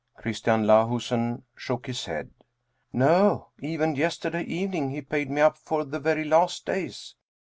Christian Lahusen shook his head. " No, even yesterday evening he paid me up for the very last days."